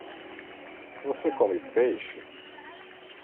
Você come peixe?